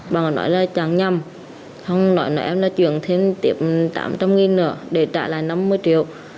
bà nói là chẳng nhầm không nói là em là chuyển thêm tiệm tám trăm linh đồng để trả lại năm mươi triệu